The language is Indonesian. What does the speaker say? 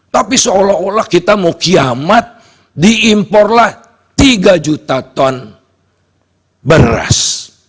tapi seolah olah kita mau kiamat diimporlah tiga juta ton beras